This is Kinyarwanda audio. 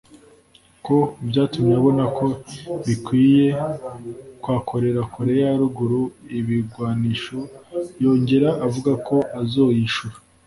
ko vyatumye abona ko bikwiye kwakorera Korea ya Ruguru ibigwanisho yongera avuga ko azoyishura